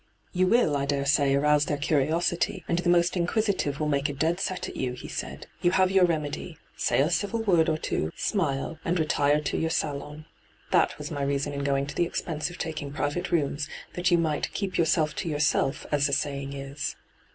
' You will, I dare say, arouse their curiosity, and the most inquisitive will make a dead set at you,' he said. 'You have your remedy: say a civil word or two, smile, and retire to your salon. That was my reason in going to the expense of taking private rooms, that you might " keep yourself to yourself," as the say ing is.'